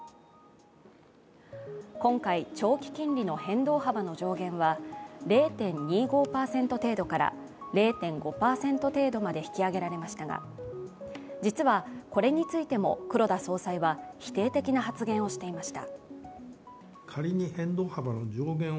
今回、長期金利の変動幅の上限は０．２５％程度から０．５％程度まで引き上げられましたが実はこれについても黒田総裁は否定的な発言をしていました。